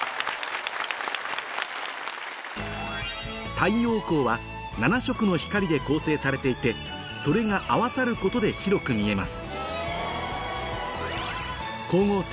太陽光は７色の光で構成されていてそれが合わさることで白く見えます